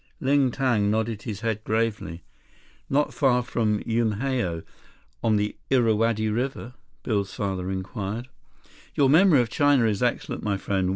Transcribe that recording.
Ling Tang nodded his head gravely. "Not far from Unhao, on the Irrawaddy River?" Biff's father inquired. "Your memory of China is excellent, my friend.